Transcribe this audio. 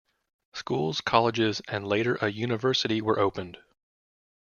Schools, colleges and later a university were opened.